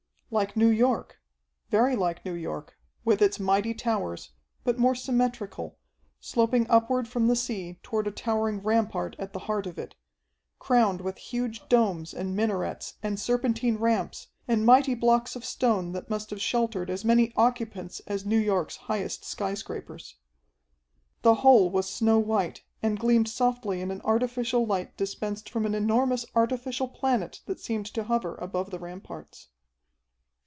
Like New York very like New York, with its mighty towers, but more symmetrical, sloping upward from the sea toward a towering rampart at the heart of it, crowned with huge domes and minarets and serpentine ramps and mighty blocks of stone that must have sheltered as many occupants as New York's highest skyscrapers. The whole was snow white, and gleamed softly in an artificial light dispensed from an enormous artificial planet that seemed to hover above the ramparts.